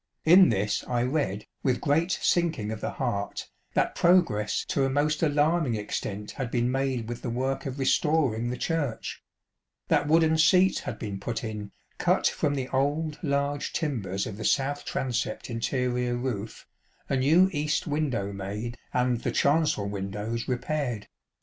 In this I read, with great sinking of the heart, that progress to a most alarming extent had been made with the work of "restoring" the church ŌĆö that wooden seats had been put in, " cut from the old large timbers of the south transept interior roof," a new east window^ made, and the chancel windows repaired.